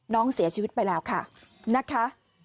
น้องเสียชีวิตไปแล้วค่ะนะคะ